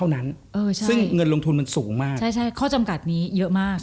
งงมั้ย